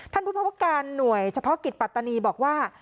ท่านผู้พบว่าการหน่วยเฉพาะกิจปัตตานีบอกว่า